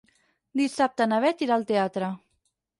Dissabte na Bet irà al teatre.